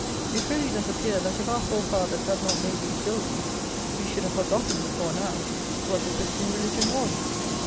It really does appear that if our forefathers had not made these buildings, we should have forgotten, before now, what the Christian religion was!